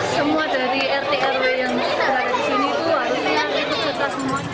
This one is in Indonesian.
semua dari rt rw yang ada di sini itu harusnya dikucurkan semua